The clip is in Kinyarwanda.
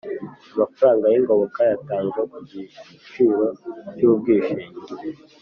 amafaranga y ingoboka yatanzwe ku igiciro cy ubwishingizi